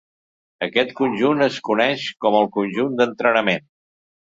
Aquest conjunt es coneix com el conjunt d'entrenament.